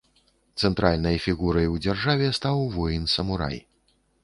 Цэнтральнай фігурай ў дзяржаве стаў воін-самурай.